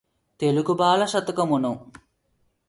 తెలుగుబాల శతకమును